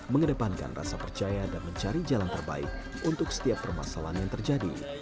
mengedepankan rasa percaya dan mencari jalan terbaik untuk setiap permasalahan yang terjadi